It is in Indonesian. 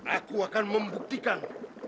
aku akan membuktikan